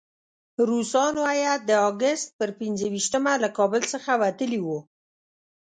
روسانو هیات د اګست پر پنځه ویشتمه له کابل څخه وتلی وو.